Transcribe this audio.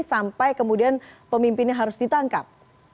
sampai kemudian pemimpinnya harus ditangkap